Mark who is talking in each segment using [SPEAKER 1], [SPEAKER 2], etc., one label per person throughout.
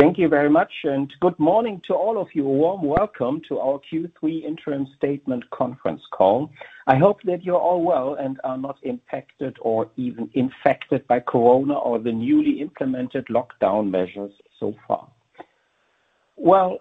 [SPEAKER 1] Thank you very much, and good morning to all of you. A warm welcome to our Q3 interim statement conference call. I hope that you're all well and are not impacted or even infected by Corona or the newly implemented lockdown measures so far. Well,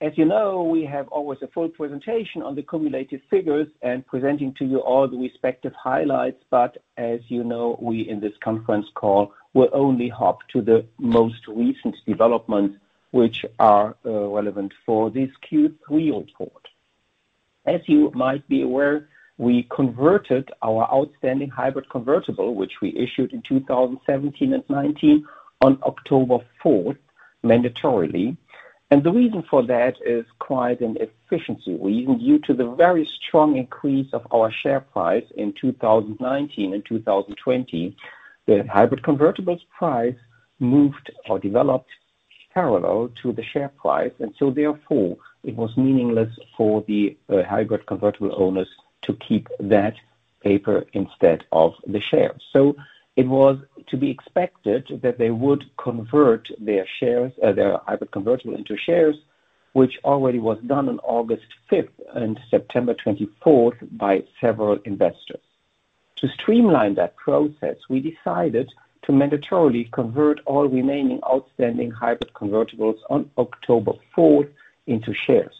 [SPEAKER 1] as you know, we have always a full presentation on the cumulative figures and presenting to you all the respective highlights. But as you know, we in this conference call will only hop to the most recent developments which are relevant for this Q3 report. As you might be aware, we converted our outstanding hybrid convertible, which we issued in 2017 and 2019, on October 4 mandatorily. The reason for that is quite an efficiency reason. Due to the very strong increase of our share price in 2019 and 2020, the hybrid convertible's price moved or developed parallel to the share price, and so therefore, it was meaningless for the hybrid convertible owners to keep that paper instead of the shares. It was to be expected that they would convert their hybrid convertible into shares, which already was done on August 5 and September 24 by several investors. To streamline that process, we decided to mandatorily convert all remaining outstanding hybrid convertibles on October 4 into shares.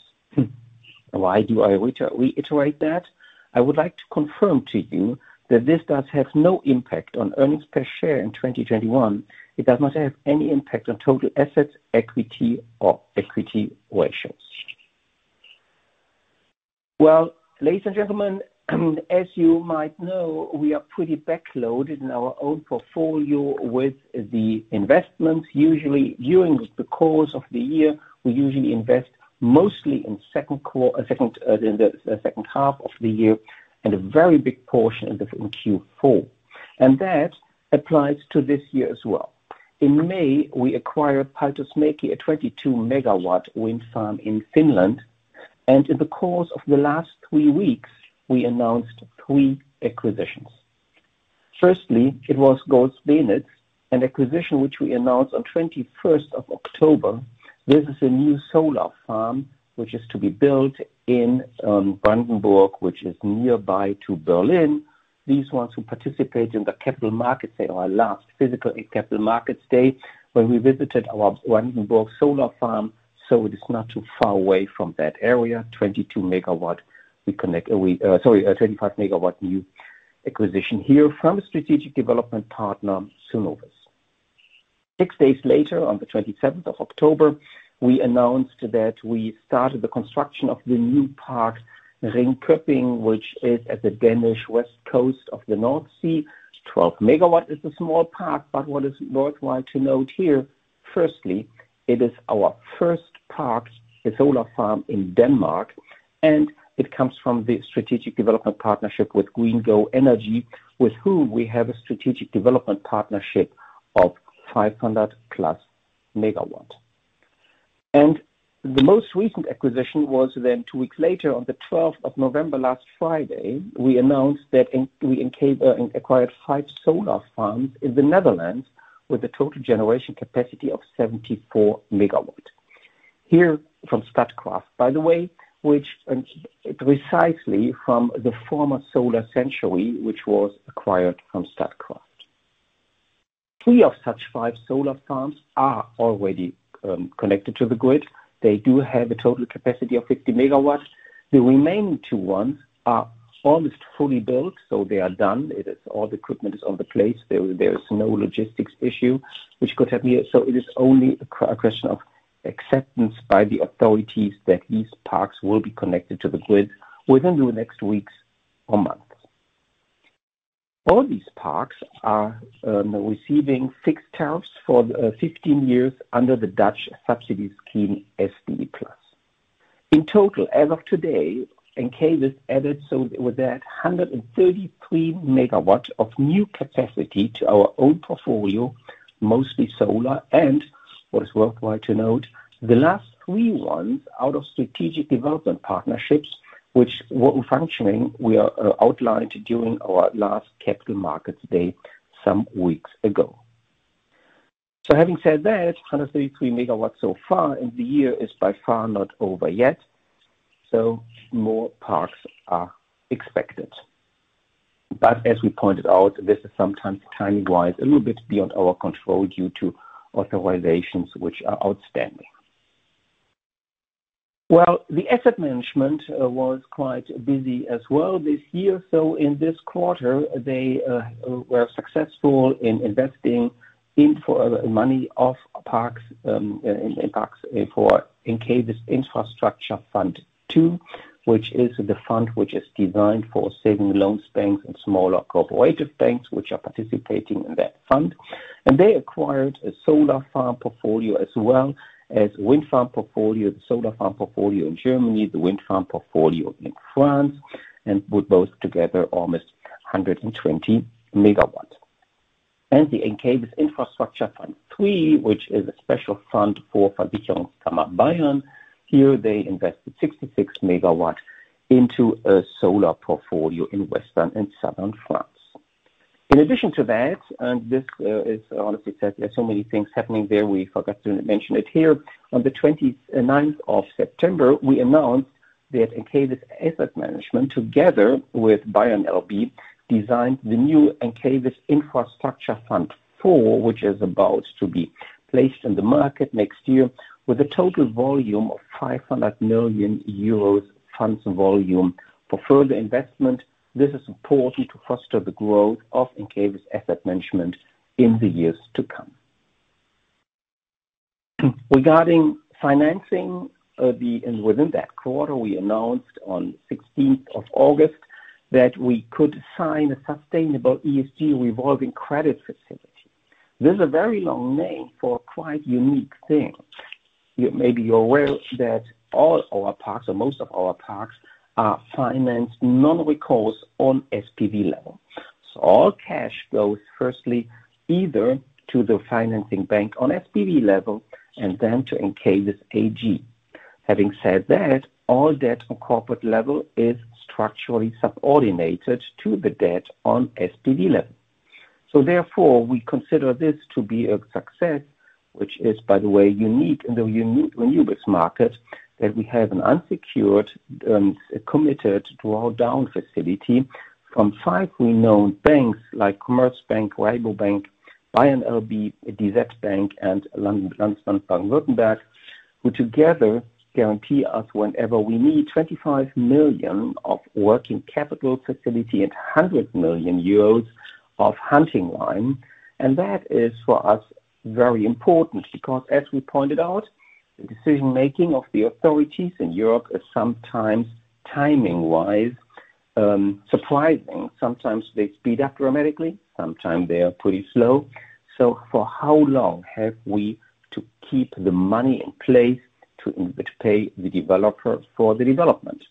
[SPEAKER 1] Why do I reiterate that? I would like to confirm to you that this does have no impact on earnings per share in 2021. It does not have any impact on total assets, equity or equity ratios. Well, ladies and gentlemen, as you might know, we are pretty backloaded in our own portfolio with the investments. Usually during the course of the year, we usually invest mostly in the second half of the year and a very big portion in Q4. That applies to this year as well. In May, we acquired Paltusmäki, a 22 MW wind farm in Finland. In the course of the last 3 weeks, we announced 3 acquisitions. Firstly, it was Gohlsdorf, an acquisition which we announced on 21st of October. This is a new solar farm which is to be built in Brandenburg, which is nearby to Berlin. Those who participate in the capital markets saw our last physical Capital Markets Day when we visited our Brandenburg solar farm, so it is not too far away from that area. A 25 MW new acquisition here from strategic development partner, Sunovis. 6 days later, on the 27th of October, we announced that we started the construction of the new park, Ringkøbing, which is at the Danish west coast of the North Sea. 12 MW is a small park, but what is worthwhile to note here, firstly, it is our first park, a solar farm in Denmark, and it comes from the strategic development partnership with GreenGo Energy, with whom we have a strategic development partnership of 500+ MW. The most recent acquisition was then 2 weeks later on the 12th of November, last Friday, we announced that we Encavis acquired 5 solar farms in the Netherlands with a total generation capacity of 74 MW. Here from Statkraft, by the way, and precisely from the former Solarcentury, which was acquired by Statkraft. 3 of such 5 solar farms are already connected to the grid. They do have a total capacity of 50 MW. The remaining 2 are almost fully built, so they are done. All the equipment is in place. There is no logistics issue which could happen here. It is only a question of acceptance by the authorities that these parks will be connected to the grid within the next weeks or months. All these parks are receiving fixed tariffs for 15 years under the Dutch subsidy scheme, SDE+. In total, as of today, Encavis added, so with that, 133 MW of new capacity to our own portfolio, mostly solar and what is worthwhile to note, the last 3 ones out of strategic development partnerships which we outlined during our last Capital Markets Day some weeks ago. Having said that, 133 MW so far and the year is by far not over yet, so more parks are expected. As we pointed out, this is sometimes timing-wise, a little bit beyond our control due to authorizations which are outstanding. Well, the asset management was quite busy as well this year. In this quarter, they were successful in investing in 4 new parks for Encavis Infrastructure Fund II, which is the fund which is designed for savings banks and smaller cooperative banks which are participating in that fund. They acquired a solar farm portfolio as well as wind farm portfolio, the solar farm portfolio in Germany, the wind farm portfolio in France, and put both together almost 120 MW. Encavis Infrastructure Fund III, which is a special fund for Versicherungskammer Bayern. Here they invested 66 MW into a solar portfolio in Western and Southern France. In addition to that, and this is honestly said, there are so many things happening there, we forgot to mention it here. On the 29th of September, we announced that Encavis Asset Management, together with BayernLB, designed the new Encavis Infrastructure Fund IV, which is about to be placed in the market next year with a total volume of 500 million euros funds volume for further investment. This is important to foster the growth of Encavis Asset Management in the years to come. Regarding financing, within that quarter, we announced on 16th of August that we could sign a sustainable ESG revolving credit facility. This is a very long name for a quite unique thing. Maybe you're aware that all our parks or most of our parks are financed non-recourse on SPV level. So all cash goes firstly either to the financing bank on SPV level and then to Encavis AG. Having said that, all debt on corporate level is structurally subordinated to the debt on SPV level. We consider this to be a success, which is by the way, unique in the renewables market, that we have an unsecured, committed draw down facility from 5 renowned banks like Commerzbank, Rabobank, BayernLB, DZ Bank, and Landesbank Baden-Württemberg, who together guarantee us whenever we need 25 million of working capital facility and 100 million euros of revolving line. That is, for us, very important because as we pointed out, the decision-making of the authorities in Europe is sometimes timing-wise, surprising. Sometimes they speed up dramatically, sometimes they are pretty slow. For how long have we to keep the money in place to pay the developer for the development?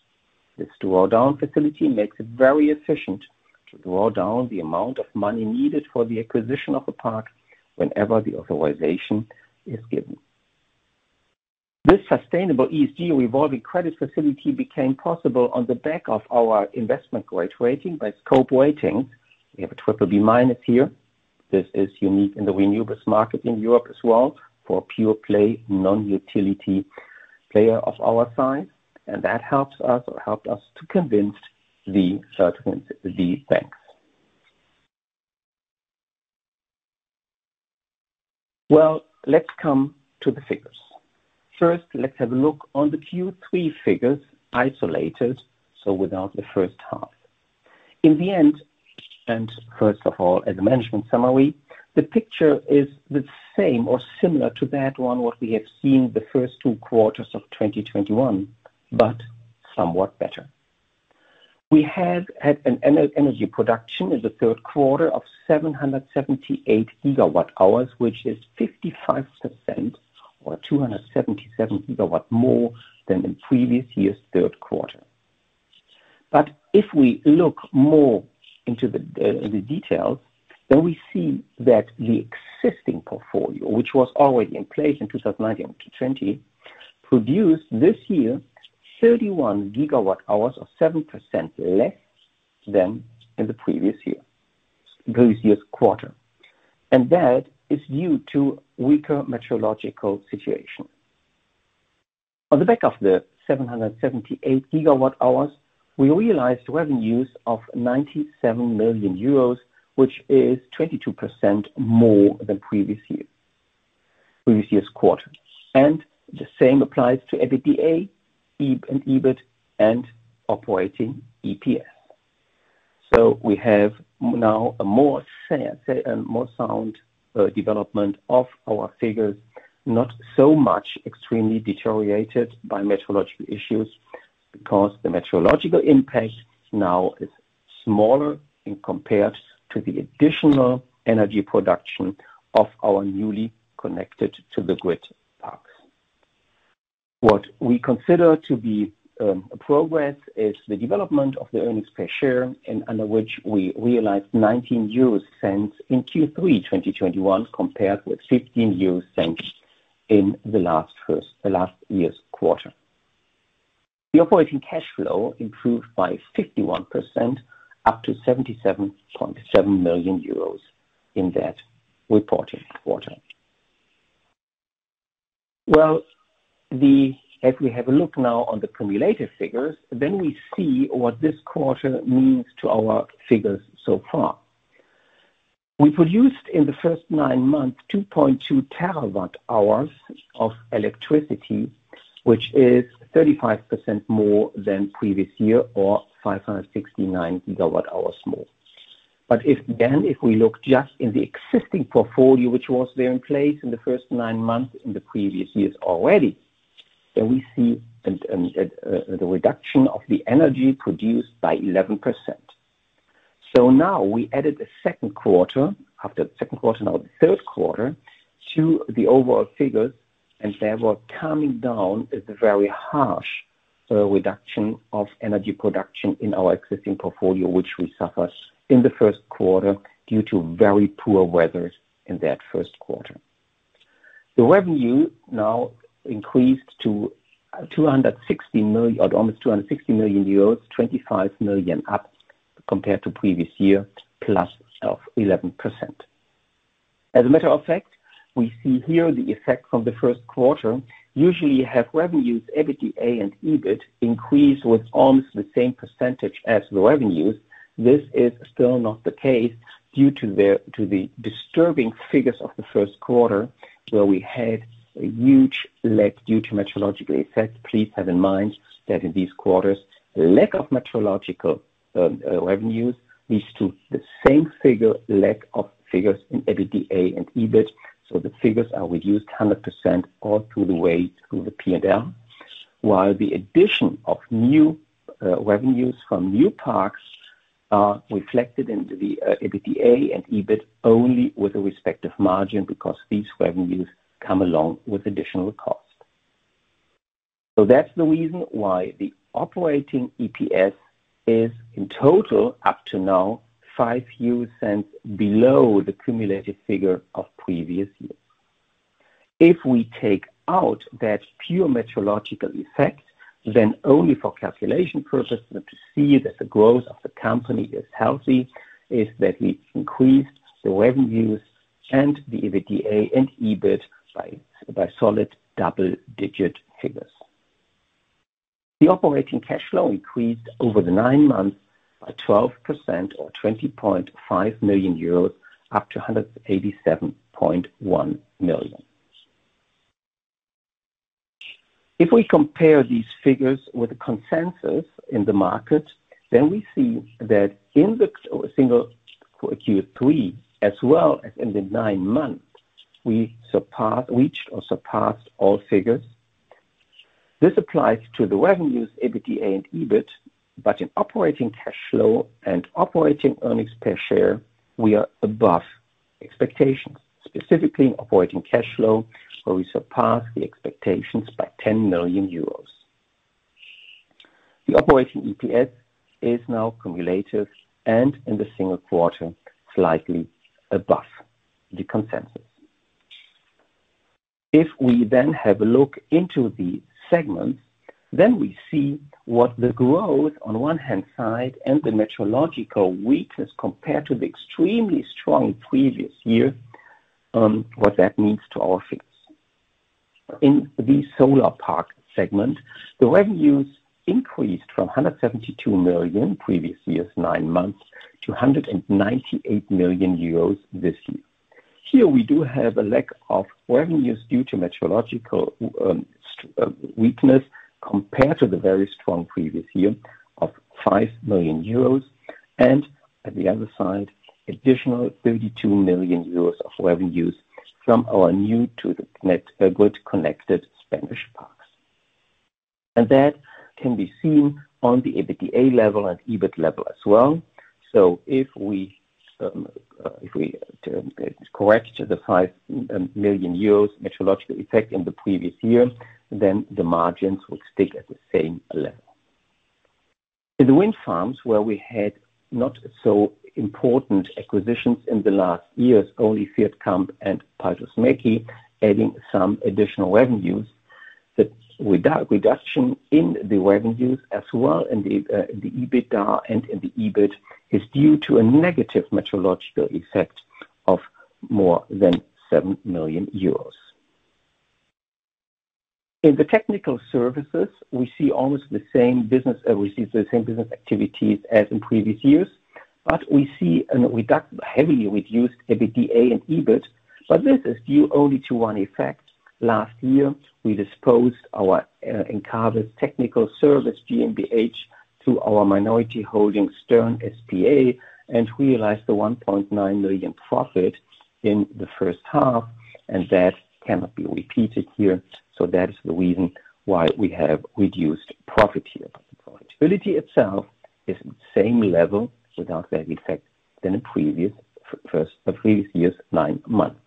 [SPEAKER 1] This draw down facility makes it very efficient to draw down the amount of money needed for the acquisition of a park whenever the authorization is given. This sustainable ESG revolving credit facility became possible on the back of our investment grade rating by Scope rating. We have a BBB- here. This is unique in the renewables market in Europe as well for a pure-play, non-utility player of our size. That helps us or helped us to convince the banks. Well, let's come to the figures. First, let's have a look on the Q3 figures isolated, so without the first half. In the end, and first of all, at the management summary, the picture is the same or similar to that one what we have seen the first 2 quarters of 2021, but somewhat better. We have had an energy production in the 3rd quarter of 778 GWh, which is 55% or 277 GWh more than in previous year's 3rd quarter. If we look more into the details, then we see that the existing portfolio, which was already in place in 2019 to 2020, produced this year 31 gigawatt hours or 7% less than in the previous year's quarter. That is due to weaker meteorological situation. On the back of the 778 gigawatt hours, we realized revenues of 97 million euros, which is 22% more than previous year's quarter. The same applies to EBITDA and EBIT and operating EPS. We have now a more sound development of our figures, not so much extremely deteriorated by meteorological issues because the meteorological impact now is smaller compared to the additional energy production of our newly connected to the grid parks. What we consider to be a progress is the development of the earnings per share under which we realized 0.19 in Q3 2021 compared with 0.15 in the last year's quarter. The operating cash flow improved by 51%, up to 77.7 million euros in that reported quarter. Well, if we have a look now on the cumulative figures, then we see what this quarter means to our figures so far. We produced in the first 9 months 2.2 terawatt-hours of electricity, which is 35% more than previous year or 569 gigawatt-hours more. If we look just in the existing portfolio, which was there in place in the first 9 months in the previous years already, we see the reduction of the energy produced by 11%. Now we added the 2nd quarter, after the 2nd quarter, now the 3rd quarter to the overall figures, and therefore, coming down is a very harsh reduction of energy production in our existing portfolio, which we suffered in the 1st quarter due to very poor weather in that 1st quarter. The revenue now increased to 260 million or almost 260 million euros, 25 million up compared to previous year, +11%. As a matter of fact, we see here the effect from the 1st quarter usually have revenues, EBITDA and EBIT increase with almost the same percentage as the revenues. This is still not the case due to the disturbing figures of the 1st quarter, where we had a huge lack due to meteorological effects. Please have in mind that in these quarters, lack of meteorological revenues leads to the same figure, lack of figures in EBITDA and EBIT. The figures are reduced 100% all through the way through the P&L. While the addition of new revenues from new parks are reflected into the EBITDA and EBIT only with a respective margin because these revenues come along with additional cost. That's the reason why the operating EPS is in total up to now 0.05 below the cumulative figure of previous year. If we take out that pure meteorological effect, then only for calculation purposes and to see that the growth of the company is healthy, is that we increased the revenues and the EBITDA and EBIT by solid double-digit figures. The operating cash flow increased over the 9 months by 12% or 20.5 million euros up to 187.1 million. If we compare these figures with the consensus in the market, then we see that in the single Q3 as well as in the 9 months, we reached or surpassed all figures. This applies to the revenues, EBITDA and EBIT, but in operating cash flow and operating earnings per share, we are above expectations, specifically operating cash flow, where we surpass the expectations by 10 million euros. The operating EPS is now cumulative and in the single quarter, slightly above the consensus. If we have a look into the segments, we see what the growth on one hand side and the meteorological weakness compared to the extremely strong previous year what that means to our figures. In the solar park segment, the revenues increased from 172 million previous year's 9 months to 198 million euros this year. Here we do have a lack of revenues due to meteorological weakness compared to the very strong previous year of 5 million euros, and at the other side, additional 32 million euros of revenues from our new newly grid-connected Spanish parks. That can be seen on the EBITDA level and EBIT level as well. If we correct the 5 million euros meteorological effect in the previous year, then the margins will stick at the same level. In the wind farms where we had not so important acquisitions in the last years, only Fjordcamp and Paltusmäki, adding some additional revenues. The reduction in the revenues as well in the EBITDA and in the EBIT is due to a negative meteorological effect of more than 7 million euros. In the technical services, we see almost the same business, we see the same business activities as in previous years. We see heavily reduced EBITDA and EBIT, but this is due only to one effect. Last year, we disposed our Encavis Technical Services GmbH to our minority holding Stern Energy S.p.A and realized a 1.9 million profit in the first half, and that cannot be repeated here. That is the reason why we have reduced profit here. Profitability itself is the same level without that effect than in previous the previous year's 9 months.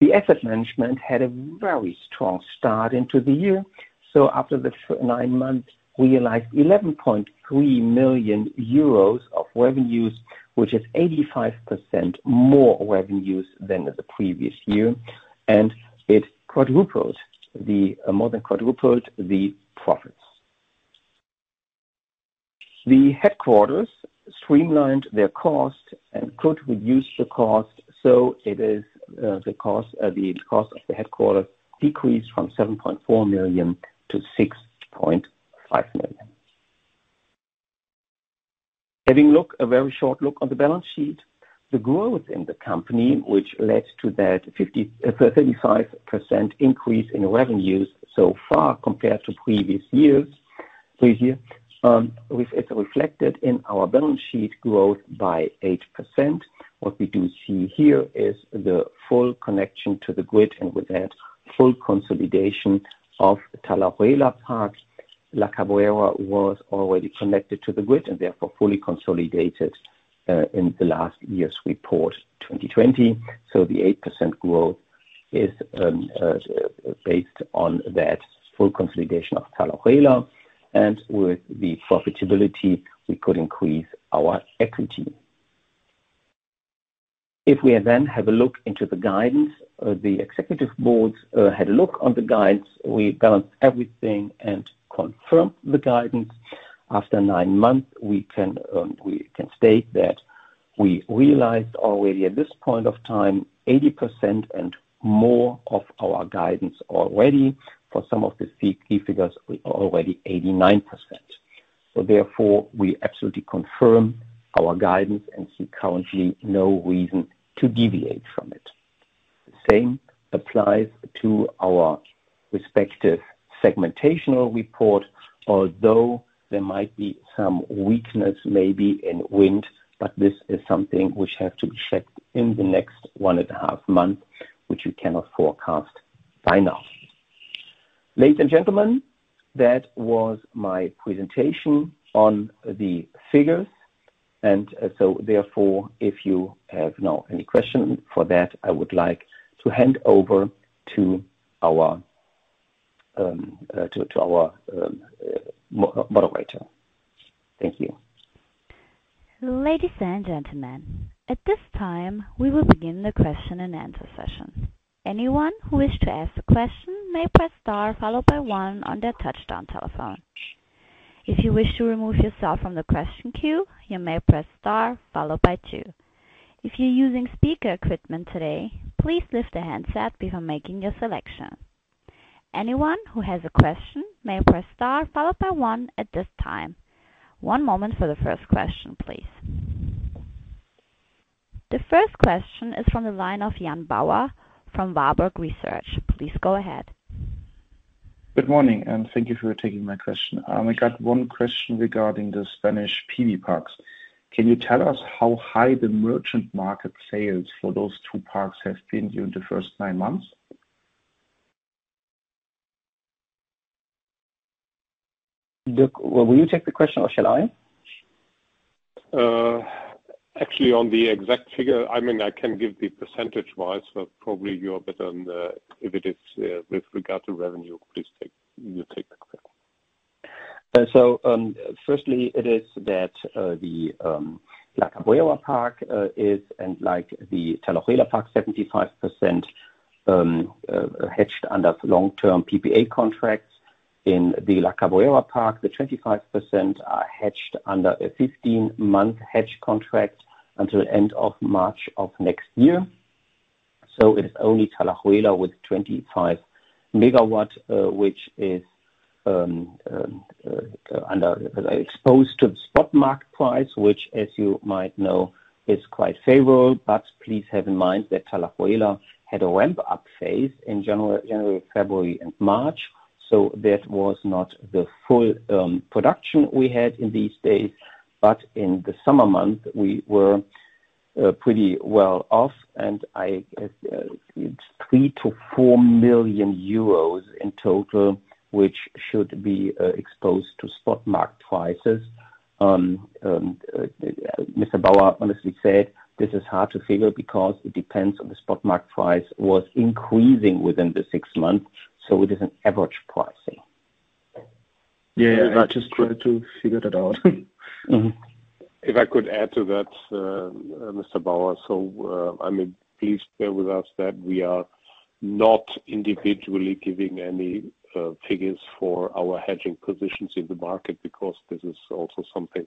[SPEAKER 1] The asset management had a very strong start into the year. After the 9 months, we realized 11.3 million euros of revenues, which is 85% more revenues than the previous year. It quadrupled more than quadrupled the profits. The headquarters streamlined their cost and could reduce the cost, so the cost of the headquarters decreased from 7.4 million to 6.5 million. A very short look on the balance sheet, the growth in the company, which led to that 35% increase in revenues so far compared to previous year, is reflected in our balance sheet growth by 8%. What we do see here is the full connection to the grid, and with that, full consolidation of Talayuela. La Cabrera was already connected to the grid and therefore fully consolidated in the last year's report, 2020. The 8% growth is based on that full consolidation of Talayuela. With the profitability, we could increase our equity. If we then have a look into the guidance, the Executive Board had a look on the guidance. We balanced everything and confirmed the guidance. After 9 months, we can state that we realized already at this point of time, 80% and more of our guidance already. For some of the key figures, we are already 89%. We absolutely confirm our guidance and see currently no reason to deviate from it. The same applies to our respective segmentational report, although there might be some weakness maybe in wind, but this is something which have to be checked in the next one and a half month, which we cannot forecast by now. Ladies and gentlemen, that was my presentation on the figures. If you have now any question for that, I would like to hand over to our moderator. Thank you.
[SPEAKER 2] Ladies and gentlemen, at this time, we will begin the question and answer session. Anyone who wishes to ask a question may press star followed by 1 on their touch-tone telephone. If you wish to remove yourself from the question queue, you may press star followed by 2. If you're using speaker equipment today, please lift the handset before making your selection. Anyone who has a question may press star followed by 1 at this time. One moment for the first question, please. The first question is from the line of Jan Bauer from Warburg Research. Please go ahead.
[SPEAKER 3] Good morning, and thank you for taking my question. I got one question regarding the Spanish PV parks. Can you tell us how high the merchant market sales for those 2 parks have been during the first 9 months?
[SPEAKER 1] Dierk, will you take the question or shall I?
[SPEAKER 4] Actually, on the exact figure, I mean, I can give the percentage-wise, but probably you are better on the if it is with regard to revenue, please take, you take that.
[SPEAKER 1] Firstly, the La Cabrera park is unlike the Talayuela park, 75% hedged under long-term PPA contracts. In the La Cabrera park, the 25% are hedged under a 15-month hedge contract until end of March of next year. It is only Talayuela with 25 MW which is exposed to the spot market price, which as you might know, is quite favorable. Please have in mind that Talayuela had a ramp-up phase in January, February and March. That was not the full production we had in these days. In the summer months, we were pretty well off and it's 3 million-4 million euros in total, which should be exposed to spot market prices. Mr. Bauer, honestly said, this is hard to figure because it depends on the spot market price was increasing within the 6 months, so it is an average pricing.
[SPEAKER 3] Yeah. I just tried to figure that out.
[SPEAKER 4] If I could add to that, Mr. Bauer. I mean, please bear with us that we are not individually giving any figures for our hedging positions in the market because this is also something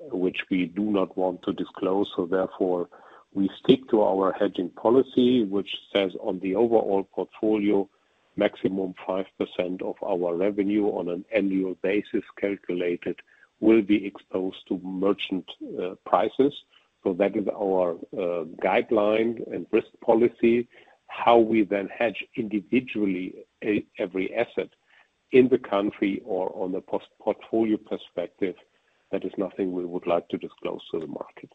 [SPEAKER 4] which we do not want to disclose. Therefore, we stick to our hedging policy, which says on the overall portfolio, maximum 5% of our revenue on an annual basis calculated will be exposed to merchant prices. That is our guideline and risk policy. How we then hedge individually every asset in the country or on a portfolio perspective, that is nothing we would like to disclose to the market.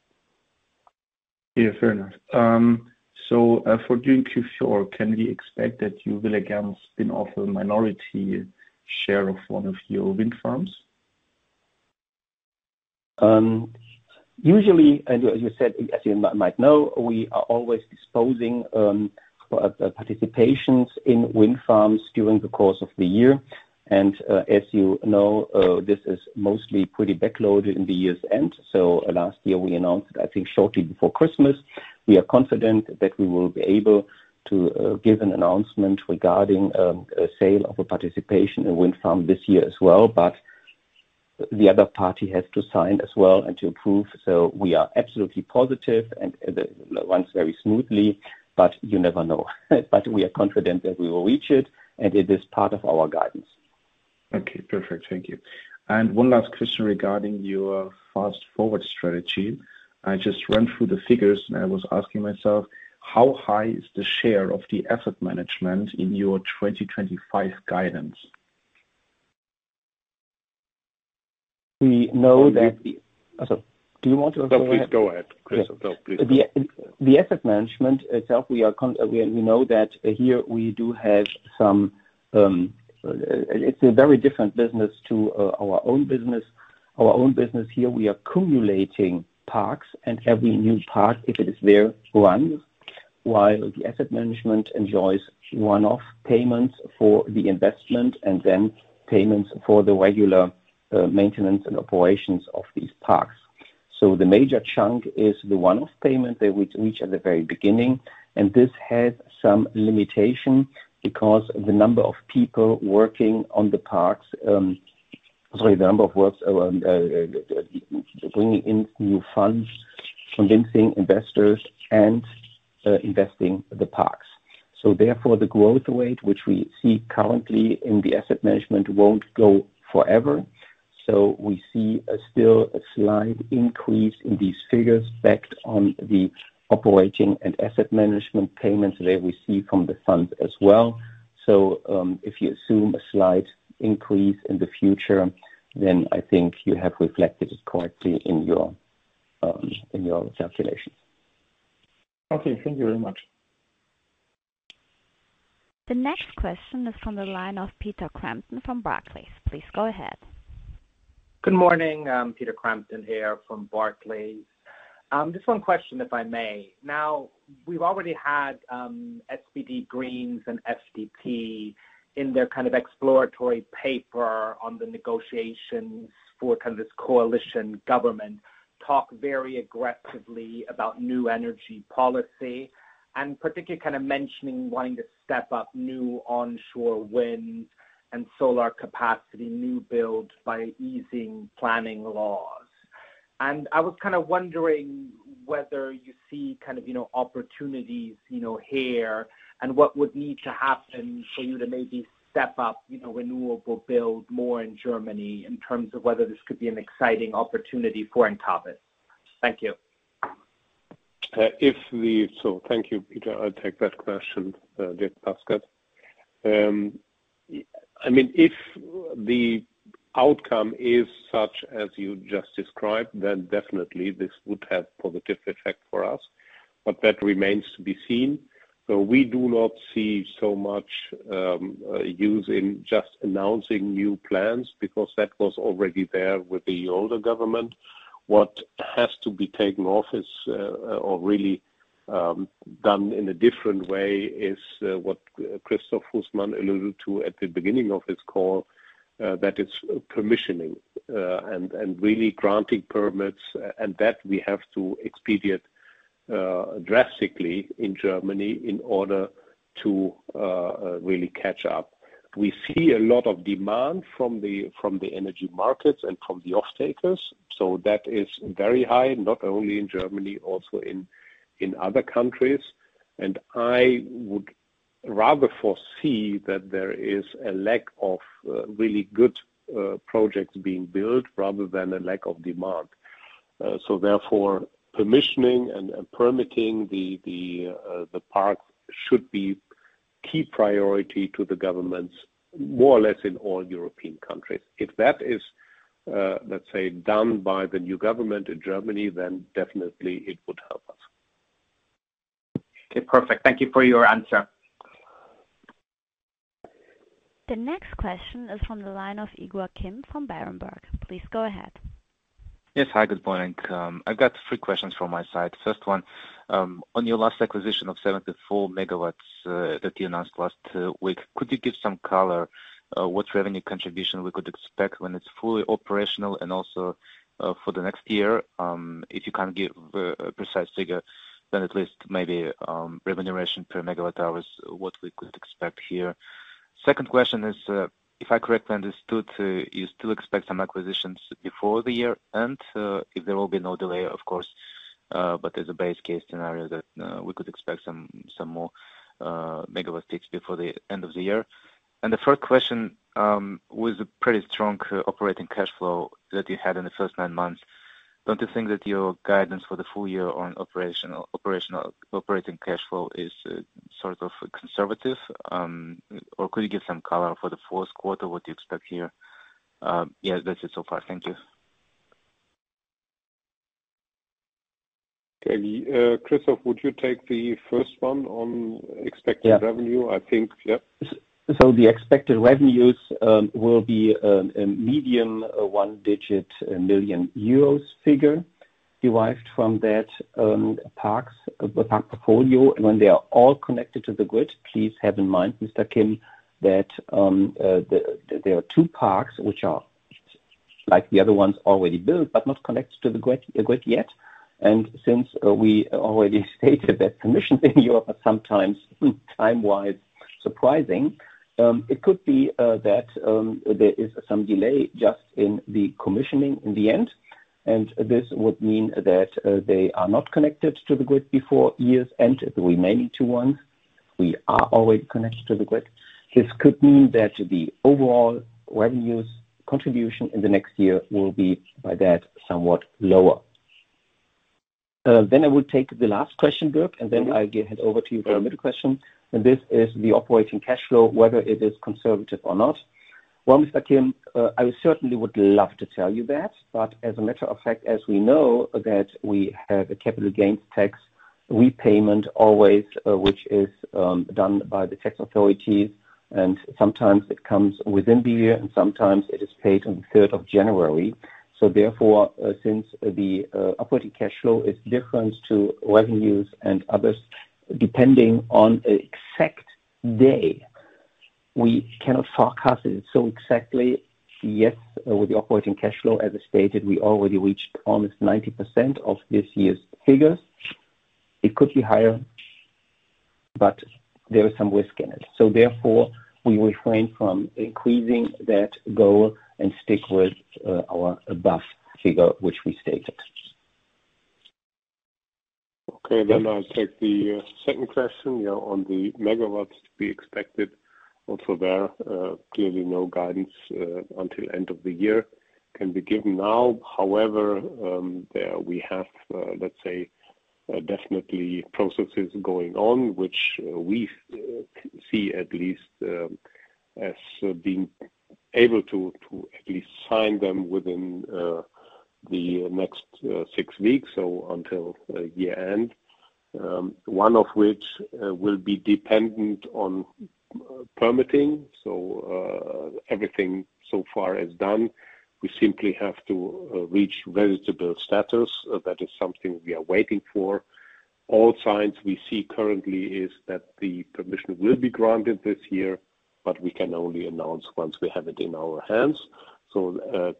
[SPEAKER 3] Yeah, fair enough. For during Q4, can we expect that you will again spin off a minority share of one of your wind farms?
[SPEAKER 1] Usually, as you said, as you might know, we are always disposing of participations in wind farms during the course of the year. As you know, this is mostly pretty backloaded in the year's end. Last year, we announced, I think, shortly before Christmas. We are confident that we will be able to give an announcement regarding a sale of a participation in a wind farm this year as well, but the other party has to sign as well and to approve, so we are absolutely positive and it runs very smoothly, but you never know. We are confident that we will reach it, and it is part of our guidance.
[SPEAKER 3] Okay, perfect. Thank you. One last question regarding your Fast Forward 2025 strategy. I just ran through the figures, and I was asking myself, how high is the share of the asset management in your 2025 guidance?
[SPEAKER 1] We know that.
[SPEAKER 4] Do you-
[SPEAKER 1] Sorry. Do you want to go ahead?
[SPEAKER 4] No, please go ahead, Christoph.
[SPEAKER 1] Asset management itself, we know that here we do have some. It's a very different business to our own business. Our own business here, we are accumulating parks and every new park, if it is well run. While the asset management enjoys one-off payments for the investment and then payments for the regular maintenance and operations of these parks. The major chunk is the one-off payment that we reach at the very beginning, and this has some limitation because the number of people working on the parks. Sorry, the number of works bringing in new funds, convincing investors and investing the parks. Therefore, the growth rate which we see currently in the asset management won't go forever. We see a slight increase in these figures based on the operating and asset management payments that we see from the funds as well. If you assume a slight increase in the future, then I think you have reflected it correctly in your calculations.
[SPEAKER 3] Okay. Thank you very much.
[SPEAKER 2] The next question is from the line of Peter Crampton from Barclays. Please go ahead.
[SPEAKER 5] Good morning. Peter Crampton here from Barclays. Just one question, if I may. Now, we've already had SPD, Greens and FDP in their kind of exploratory paper on the negotiations for kind of this coalition government talk very aggressively about new energy policy and particularly kind of mentioning wanting to step up new onshore wind and solar capacity, new builds by easing planning laws. I was kind of wondering whether you see kind of, you know, opportunities, you know, here, and what would need to happen for you to maybe step up, you know, renewable build more in Germany in terms of whether this could be an exciting opportunity for Encavis. Thank you.
[SPEAKER 4] Thank you, Peter. I'll take that question, Dierk Paskert. I mean, if the outcome is such as you just described, then definitely this would have positive effect for us, but that remains to be seen. We do not see so much use in just announcing new plans because that was already there with the older government. What has to be taken off, or really done in a different way, is what Christoph Husmann alluded to at the beginning of his call, that it's permitting and really granting permits, and that we have to expedite drastically in Germany in order to really catch up. We see a lot of demand from the energy markets and from the off-takers, so that is very high, not only in Germany, also in other countries. I would rather foresee that there is a lack of really good projects being built rather than a lack of demand. Therefore, permissioning and permitting the parks should be key priority to the governments more or less in all European countries. If that is, let's say, done by the new government in Germany, then definitely it would help us.
[SPEAKER 5] Okay, perfect. Thank you for your answer.
[SPEAKER 2] The next question is from the line of Igor Kim from Berenberg. Please go ahead.
[SPEAKER 6] Yes. Hi, good morning. I've got 3 questions from my side. First one, on your last acquisition of 74 MW that you announced last week, could you give some color what revenue contribution we could expect when it's fully operational and also for the next year, if you can't give a precise figure, then at least maybe remuneration per megawatt-hours what we could expect here. Second question is, if I correctly understood, you still expect some acquisitions before the year end, if there will be no delay, of course, but as a base case scenario that we could expect some more megawatt takes before the end of the year. The 3rd question, with a pretty strong operating cash flow that you had in the first 9 months, don't you think that your guidance for the full year on operating cash flow is sort of conservative? Or could you give some color for the 4th quarter, what you expect here? Yeah, that's it so far. Thank you.
[SPEAKER 4] Okay. Christoph, would you take the first one on expected-
[SPEAKER 1] Yeah.
[SPEAKER 4] revenue, I think. Yeah.
[SPEAKER 1] The expected revenues will be a median, a one-digit million EUR figure derived from that park portfolio when they are all connected to the grid. Please have in mind, Mr. Kim, that there are 2 parks which are like the other ones already built but not connected to the grid yet. Since we already stated that commissioning in Europe are sometimes time-wise surprising, it could be that there is some delay just in the commissioning in the end. This would mean that they are not connected to the grid before year end. The remaining 2 ones they are already connected to the grid. This could mean that the overall revenues contribution in the next year will be, by that, somewhat lower. I would take the last question, Dierk, and then I give it over to you for the middle question. This is the operating cash flow, whether it is conservative or not. Well, Mr. Kim, I certainly would love to tell you that, but as a matter of fact, as we know that we have a capital gains tax repayment always, which is done by the tax authorities, and sometimes it comes within the year, and sometimes it is paid on the 3rd of January. Therefore, since the operating cash flow is different to revenues and others, depending on exact day. We cannot forecast it so exactly yet with the operating cash flow. As I stated, we already reached almost 90% of this year's figures. It could be higher, but there is some risk in it. We refrain from increasing that goal and stick with our above figure, which we stated.
[SPEAKER 4] I'll take the second question. Yeah, on the megawatts to be expected. Also there, clearly no guidance until end of the year can be given now. However, there we have, let's say, definitely processes going on which we see at least as being able to at least sign them within the next 6 weeks, so until year-end, one of which will be dependent on permitting. Everything so far is done. We simply have to reach ready-to-build status. That is something we are waiting for. All signs we see currently is that the permission will be granted this year, but we can only announce once we have it in our hands.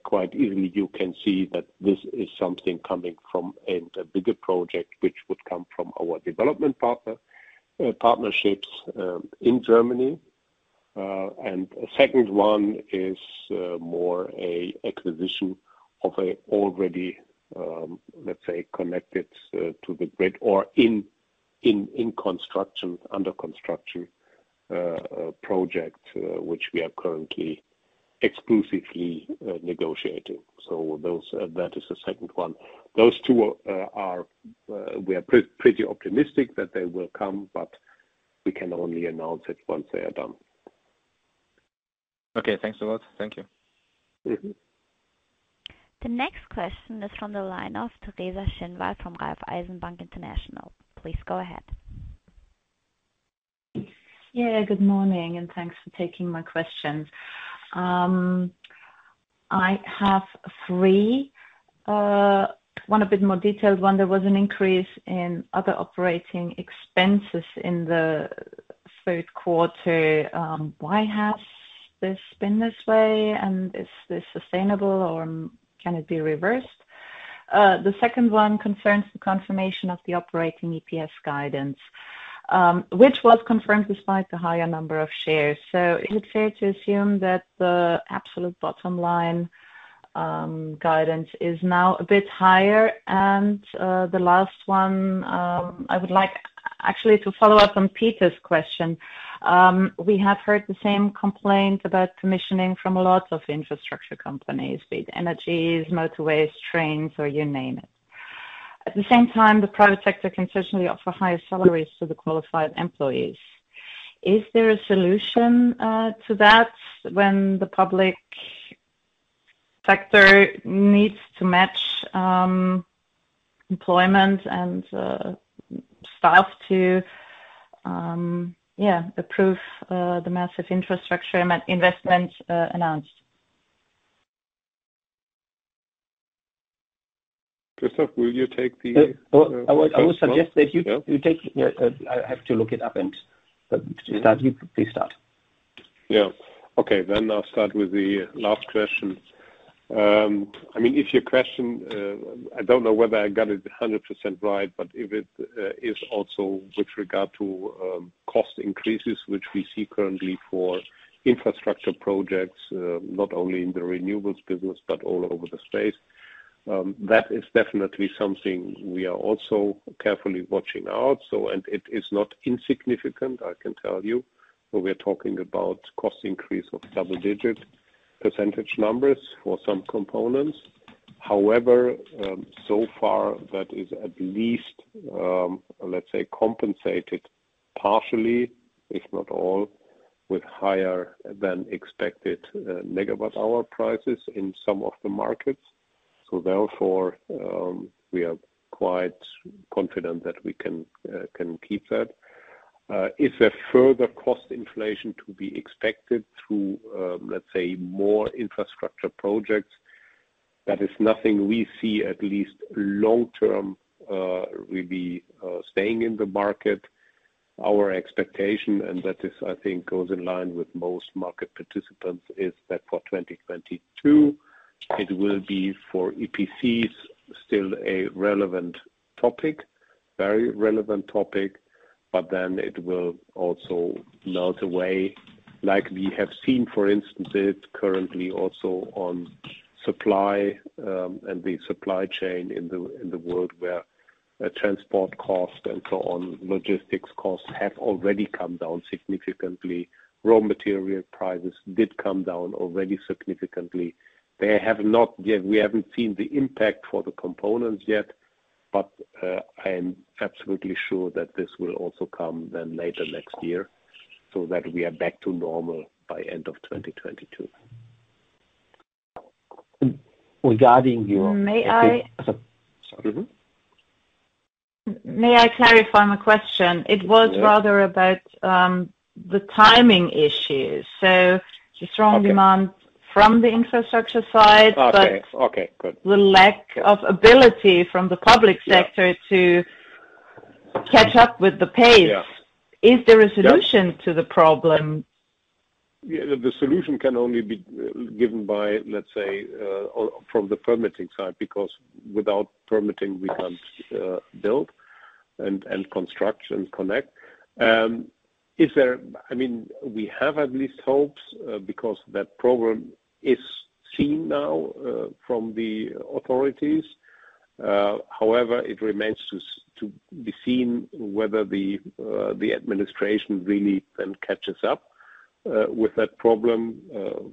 [SPEAKER 4] Quite easily, you can see that this is something coming from a bigger project, which would come from our development partnerships in Germany. A second one is more a acquisition of a already connected to the grid or under construction project, which we are currently exclusively negotiating. That is the second one. Those 2, we are pretty optimistic that they will come, but we can only announce it once they are done.
[SPEAKER 6] Okay, thanks a lot. Thank you.
[SPEAKER 2] The next question is from the line of Teresa Schinwald from Raiffeisen Bank International. Please go ahead.
[SPEAKER 7] Yeah, good morning, and thanks for taking my questions. I have 3, one a bit more detailed one. There was an increase in other operating expenses in the 3rd quarter. Why has this been this way, and is this sustainable or can it be reversed? The second one concerns the confirmation of the operating EPS guidance, which was confirmed despite the higher number of shares. Is it fair to assume that the absolute bottom line guidance is now a bit higher? The last one, I would like actually to follow up on Peter's question. We have heard the same complaint about commissioning from a lot of infrastructure companies, be it energies, motorways, trains or you name it. At the same time, the private sector can certainly offer higher salaries to the qualified employees. Is there a solution to that when the public sector needs to match employment and staff to the massive infrastructure investment announced?
[SPEAKER 4] Christoph, will you take the
[SPEAKER 1] I would suggest that you take. Yeah, I have to look it up and start. You please start.
[SPEAKER 4] Yeah. Okay, I'll start with the last question. I mean, if your question, I don't know whether I got it 100% right, but if it is also with regard to cost increases, which we see currently for infrastructure projects, not only in the renewables business but all over the space, that is definitely something we are also carefully watching out. It is not insignificant, I can tell you. We are talking about cost increase of double-digit percentage numbers for some components. However, so far, that is at least, let's say, compensated partially, if not all, with higher than expected megawatt hour prices in some of the markets. Therefore, we are quite confident that we can keep that. Is there further cost inflation to be expected through, let's say, more infrastructure projects? That is nothing we see at least long term will be staying in the market. Our expectation, and that is, I think, goes in line with most market participants, is that for 2022 it will be for EPCs still a relevant topic, very relevant topic, but then it will also melt away like we have seen, for instance, it currently also on supply, and the supply chain in the world where transport costs and so on, logistics costs have already come down significantly. Raw material prices did come down already significantly. We haven't seen the impact for the components yet, but I am absolutely sure that this will also come then later next year, so that we are back to normal by end of 2022.
[SPEAKER 1] Regarding your-
[SPEAKER 7] May I-
[SPEAKER 1] Sorry.
[SPEAKER 7] May I clarify my question?
[SPEAKER 1] Yeah.
[SPEAKER 7] It was rather about the timing issues. The strong demand from the infrastructure side.
[SPEAKER 4] Okay, good.
[SPEAKER 7] The lack of ability from the public sector.
[SPEAKER 4] Yeah.
[SPEAKER 7] to catch up with the pace.
[SPEAKER 1] Yeah.
[SPEAKER 7] Is there a solution to the problem?
[SPEAKER 1] Yeah. The solution can only be given by, let's say, from the permitting side, because without permitting, we can't build and construct and connect. I mean, we have at least hopes because that problem is seen now from the authorities. However, it remains to be seen whether the administration really then catches up with that problem.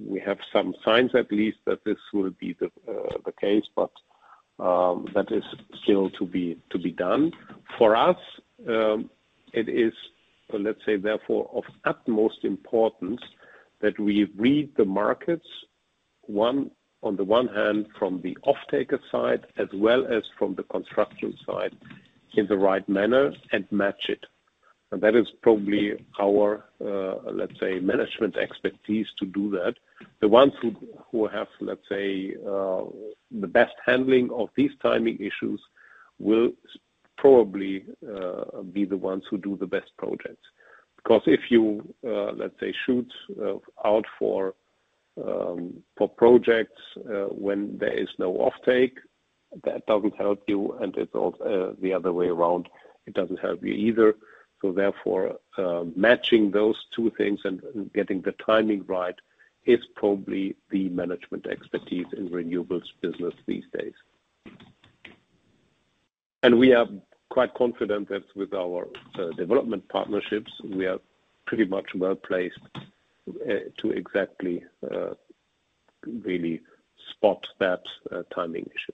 [SPEAKER 1] We have some signs at least that this will be the case, but that is still to be done. For us, it is, let's say therefore, of utmost importance that we read the markets on the one hand from the offtaker side, as well as from the construction side in the right manner and match it. That is probably our, let's say, management expertise to do that. The ones who have, let's say, the best handling of these timing issues will probably be the ones who do the best projects. Because if you, let's say, scout out for projects when there is no offtake, that doesn't help you, and it's the other way around, it doesn't help you either. Therefore, matching those 2 things and getting the timing right is probably the management expertise in renewables business these days. We are quite confident that with our development partnerships, we are pretty much well placed to exactly really spot that timing issue.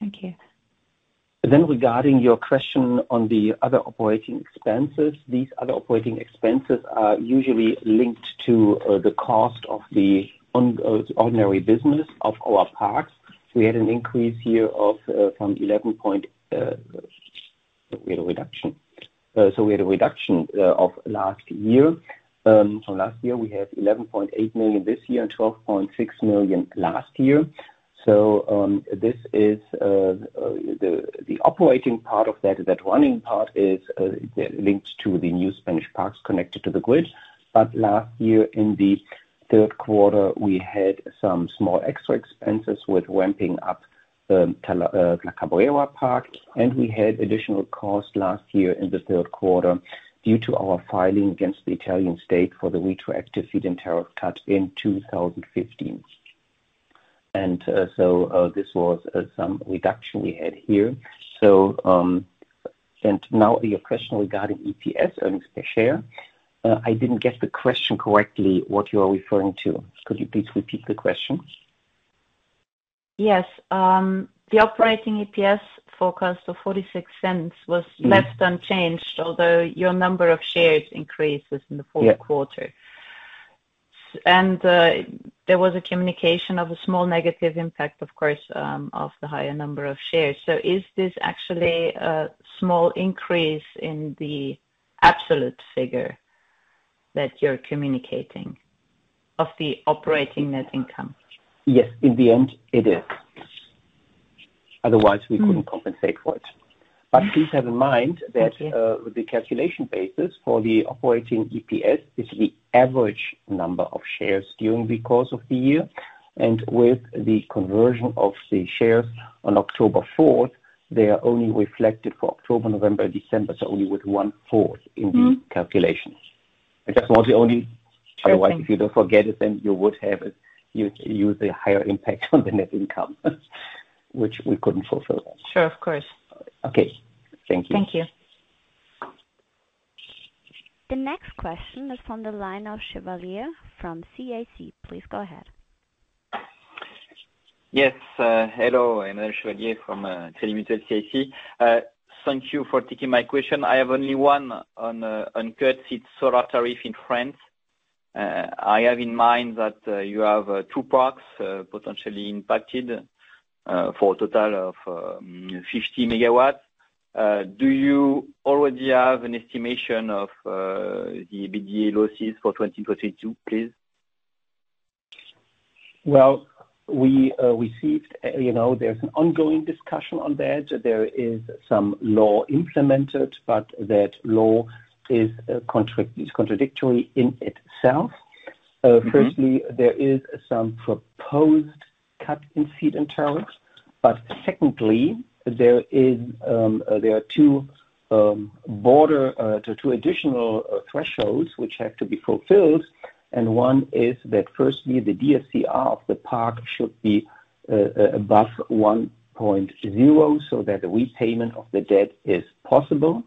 [SPEAKER 7] Thank you.
[SPEAKER 1] Regarding your question on the other operating expenses. These other operating expenses are usually linked to the cost of the ordinary business of our parks. We had a reduction. We had a reduction of last year. Last year we had 11.8 million this year and 12.6 million last year. This is the operating part of that running part is linked to the new Spanish parks connected to the grid. Last year in the 3rd quarter, we had some small extra expenses with ramping up La Cabrera park, and we had additional costs last year in the 3rd quarter due to our filing against the Italian state for the retroactive feed-in tariff cut in 2015. This was some reduction we had here. Now your question regarding EPS, earnings per share. I didn't get the question correctly, what you are referring to. Could you please repeat the question?
[SPEAKER 7] Yes. The operating EPS forecast of 0.46 was left unchanged, although your number of shares increased within the 4th quarter.
[SPEAKER 1] Yeah.
[SPEAKER 7] there was a communication of a small negative impact, of course, of the higher number of shares. Is this actually a small increase in the absolute figure that you're communicating of the operating net income?
[SPEAKER 1] Yes. In the end, it is. Otherwise, we couldn't compensate for it. Please have in mind that-
[SPEAKER 7] Thank you.
[SPEAKER 1] The calculation basis for the operating EPS is the average number of shares during the course of the year. With the conversion of the shares on October 4th, they are only reflected for October, November, December, so only with 1-4th in these calculations. That was the only otherwise, if you don't forget it, then you would have it. You'd use a higher impact on the net income, which we couldn't fulfill.
[SPEAKER 7] Sure. Of course.
[SPEAKER 1] Okay. Thank you.
[SPEAKER 7] Thank you.
[SPEAKER 2] The next question is from the line of Emmanuel Chevalier from Crédit Mutuel - CIC. Please go ahead.
[SPEAKER 8] Yes. Hello. Emmanuel Chevalier from Crédit Mutuel - CIC. Thank you for taking my question. I have only one on the feed-in tariff cut for solar in France. I have in mind that you have 2 parks potentially impacted for a total of 50 MW. Do you already have an estimation of the EBITDA losses for 2022, please?
[SPEAKER 1] Well, we received... You know, there's an ongoing discussion on that. There is some law implemented, but that law is contradictory in itself. Firstly, there is some proposed cut in feed-in tariffs, but secondly, there are 2 additional thresholds which have to be fulfilled. One is that, firstly, the DSCR of the park should be above 1.0, so that the repayment of the debt is possible.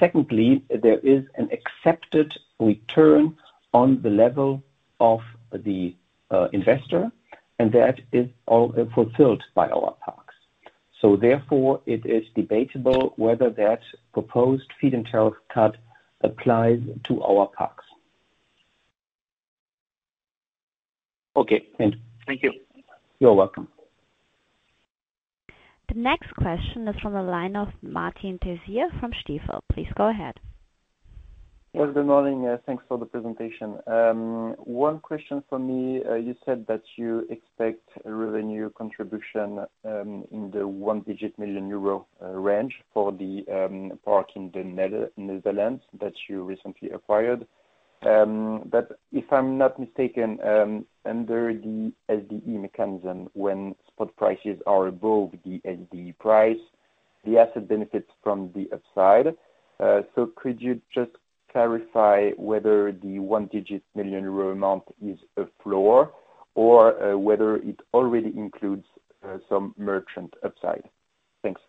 [SPEAKER 1] Secondly, there is an accepted return on the level of the investor, and that is fulfilled by our parks. Therefore, it is debatable whether that proposed feed-in tariff cut applies to our parks.
[SPEAKER 8] Okay, thank you.
[SPEAKER 1] You're welcome.
[SPEAKER 2] The next question is from the line of Martin Tessier from Stifel. Please go ahead.
[SPEAKER 9] Yes, good morning. Thanks for the presentation. One question for me. You said that you expect a revenue contribution in the 1-digit million euro range for the park in the Netherlands that you recently acquired. If I'm not mistaken, under the SDE+ mechanism, when spot prices are above the SDE+ price, the asset benefits from the upside. Could you just clarify whether the 1-digit million euro amount is a floor or whether it already includes some merchant upside? Thanks.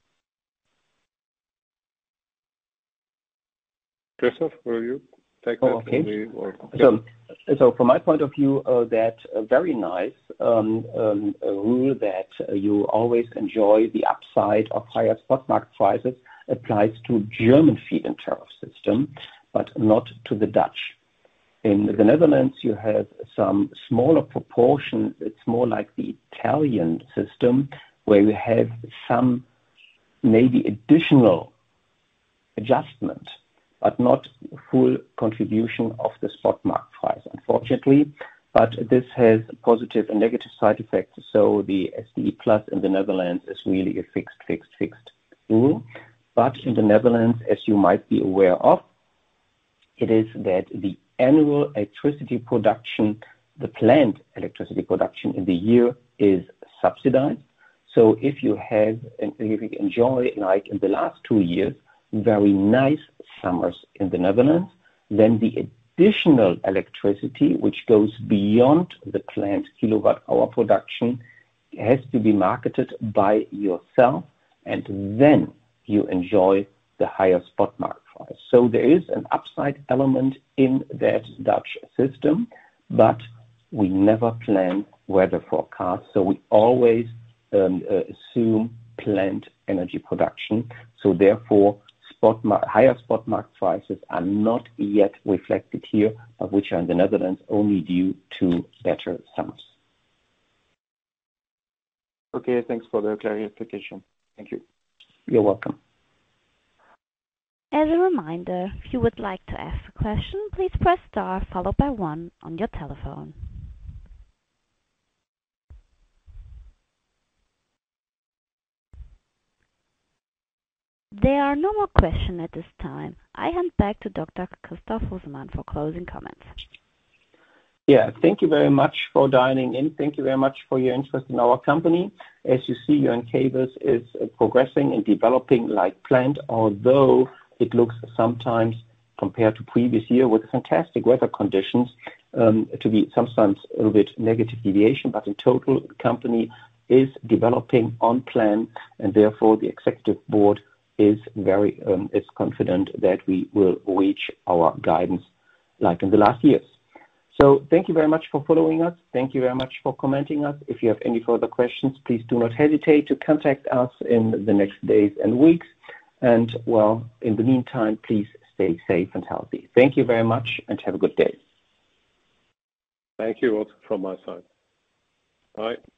[SPEAKER 4] Christoph, will you take that?
[SPEAKER 1] From my point of view, that very nice rule that you always enjoy the upside of higher spot market prices applies to German feed-in tariff system, but not to the Dutch. In the Netherlands, you have some smaller proportion. It's more like the Italian system, where you have some maybe additional adjustment, but not full contribution of the spot market price, unfortunately. This has positive and negative side effects. The SDE+ in the Netherlands is really a fixed rule. In the Netherlands, as you might be aware of, it is that the annual electricity production, the plant electricity production in the year is subsidized. If you have, and if you enjoy, like in the last 2 years, very nice summers in the Netherlands, then the additional electricity which goes beyond the plant kilowatt hour production has to be marketed by yourself, and then you enjoy the higher spot market price. There is an upside element in that Dutch system, but we never plan weather forecast, so we always assume plant energy production. Therefore, higher spot market prices are not yet reflected here, which are in the Netherlands, only due to better summers.
[SPEAKER 9] Okay, thanks for the clarification. Thank you.
[SPEAKER 1] You're welcome.
[SPEAKER 2] As a reminder, if you would like to ask a question, please press star followed by 1 on your telephone. There are no more questions at this time. I hand back to Dr. Christoph Husmann for closing comments.
[SPEAKER 1] Yeah, thank you very much for dialing in. Thank you very much for your interest in our company. As you see, Encavis is progressing and developing like planned, although it looks sometimes compared to previous year with fantastic weather conditions to be sometimes a little bit negative deviation. In total, the company is developing on plan and therefore the Executive Board is very confident that we will reach our guidance like in the last years. Thank you very much for following us. Thank you very much for contacting us. If you have any further questions, please do not hesitate to contact us in the next days and weeks and, well, in the meantime, please stay safe and healthy. Thank you very much and have a good day.
[SPEAKER 4] Thank you also from my side. Bye.